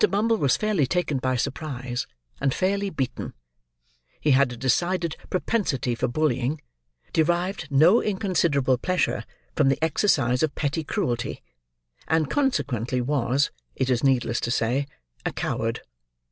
Bumble was fairly taken by surprise, and fairly beaten. He had a decided propensity for bullying: derived no inconsiderable pleasure from the exercise of petty cruelty; and, consequently, was (it is needless to say) a coward.